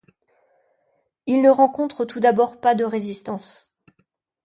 Il ne rencontre tout d'abord pas de résistance.